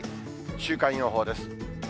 週間予報です。